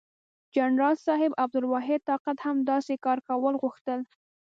جنرال صاحب عبدالواحد طاقت هم داسې کار کول غوښتل.